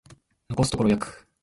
残すところ約